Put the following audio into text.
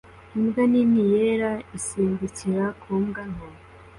imbwa nini yera isimbukira ku mbwa nto